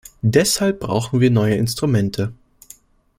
Deshalb brauchen wir neue Instrumente.